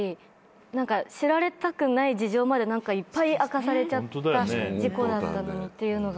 知られたくない事情までいっぱい明かされちゃった事故だったというのが。